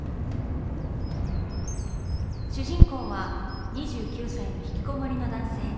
主人公は２９歳の引きこもりの男性。